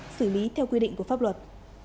xử lý theo quy định của pháp luật